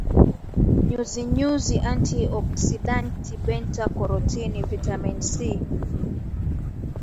nyuzinyuzi anti oksidanti beta karotini vitamini c